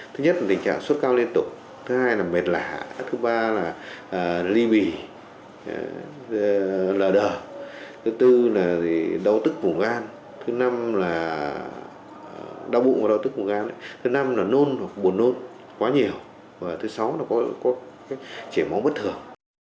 thứ nhất là tình trạng sốt cao liên tục thứ hai là mệt lạ thứ ba là ly bì lờ thứ tư là đau tức vùng gan thứ năm là đau bụng và đau tức vùng gan thứ năm là nôn hoặc buồn nôn quá nhiều và thứ sáu có chảy máu bất thường